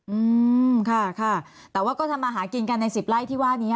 อืมค่ะค่ะแต่ว่าก็ทำมาหากินกันในสิบไร่ที่ว่านี้